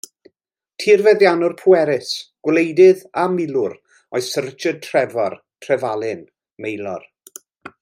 Tirfeddiannwr pwerus, gwleidydd a milwr oedd Syr Richard Trefor, Trefalun, Maelor.